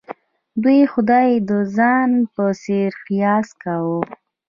دوی خدای د ځان په څېر قیاس کاوه.